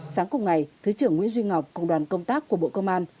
sáng cùng ngày thứ trưởng nguyễn duy ngọc cùng đoàn công tác của bộ công an